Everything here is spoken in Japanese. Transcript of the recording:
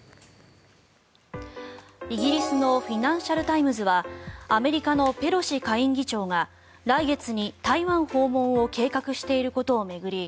イギリスのフィナンシャル・タイムズはアメリカのペロシ下院議長が来月に台湾訪問を計画していることを巡り